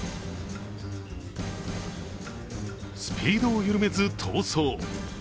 スピードを緩めず逃走。